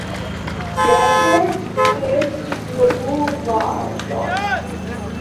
Bradford", "Quercus robur var.